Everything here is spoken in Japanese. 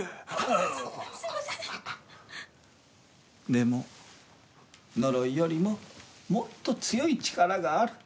でも呪いよりももっと強い力がある。